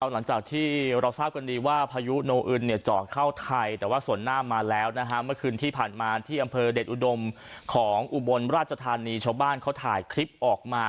หลังจากที่เราทราบกันดีว่าพายุโนอึนเจาะเข้าไทยแต่ว่าส่วนหน้ามาแล้วนะฮะเมื่อคืนที่ผ่านมาที่อำเภอเด็ดอุดมของอุบลราชธานีชาวบ้านเขาถ่ายคลิปออกมา